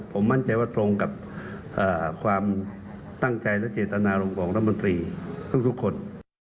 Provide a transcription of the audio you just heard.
ผมมั่นใจว่าตรงกับความตั้งใจและเจตนารมณ์ของรัฐมนตรีทุกคน